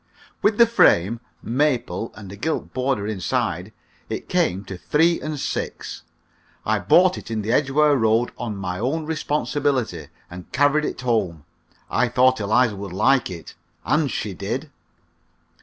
With the frame (maple, and a gilt border inside) it came to three and six. I bought it in the Edgware Road on my own responsibility, and carried it home. I thought Eliza would like it, and she did.